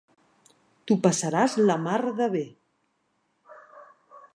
T'ho passaràs la mar de bé.